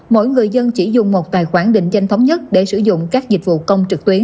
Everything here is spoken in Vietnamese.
mỗi người dân chỉ dùng một tài khoản định danh thống nhất để sử dụng các dịch vụ công trực tuyến